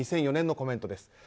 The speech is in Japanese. ２００４年のコメントです。